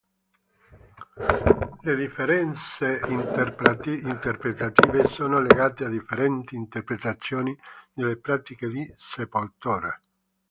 Le differenze interpretative sono legate a differenti interpretazioni delle pratiche di sepoltura.